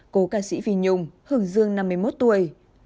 cô ca sĩ phi nhung hưởng dương năm mươi một tuổi